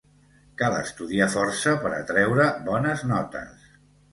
Cal estudiar força per a treure bones notes.